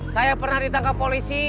saya pernah ditangkap polisi